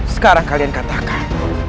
sekarang kalian katakan